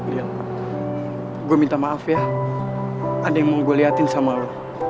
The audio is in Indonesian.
lil gua minta maaf ya ada yang mau gua liatin sama lo